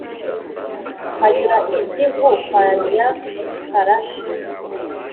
Anyura i Zivu kwa Nyakarashi